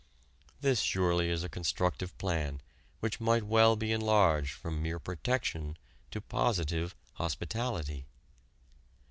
This surely is a constructive plan which might well be enlarged from mere protection to positive hospitality.